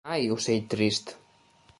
Ai, ocell trist!